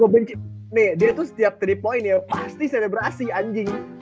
pasti tiga point ya pasti selebrasi anjing